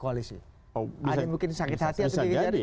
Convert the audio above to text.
ada yang mungkin sakit hati atau gigit jari